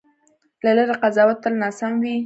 له لرې قضاوت تل ناسم وي.